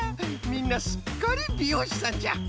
みんなすっかりびようしさんじゃ！